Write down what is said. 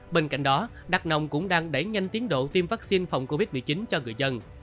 bên cạnh đó đắk nông cũng đang đẩy nhanh tiến độ tiêm vaccine phòng covid một mươi chín cho người dân